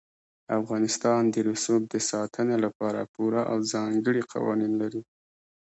افغانستان د رسوب د ساتنې لپاره پوره او ځانګړي قوانین لري.